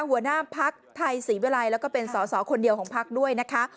หัวหน้าภักดิ์ไทยศรีเวลาและเป็นสอสอคนเดียวของภักดิ์ด้วยนะคะ